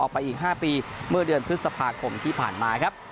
ไปอีก๕ปีเมื่อเดือนพฤษภาคมที่ผ่านมาครับ